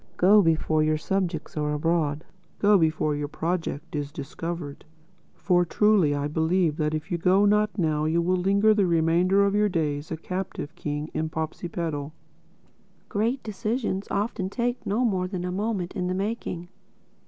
Go before your subjects are abroad. Go before your project is discovered. For truly I believe that if you go not now you will linger the remainder of your days a captive king in Popsipetel." Great decisions often take no more than a moment in the making.